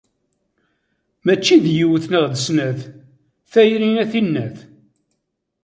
Mačči d yiwet neɣ d snat, tayri a tinnat.